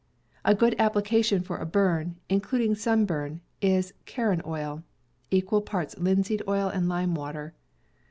A good application for a burn, including sunburn, is car ron oil (equal parts linseed oil and limewater).